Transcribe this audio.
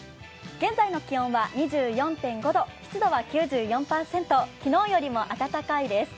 現在の気温は２４．５度、湿度は９４％昨日よりも暖かいです。